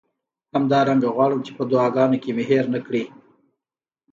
همدارنګه غواړم چې په دعاګانو کې مې هیر نه کړئ.